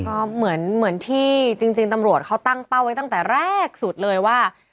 ก็เหมือนที่จริงตำรวจเขาตั้งเป้าไว้ตั้งแต่แรกสุดเลยว่า